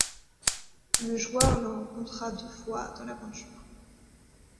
Le joueur le rencontrera deux fois dans l'aventure.